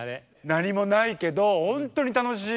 何もないけど本当に楽しい。